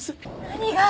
何が！？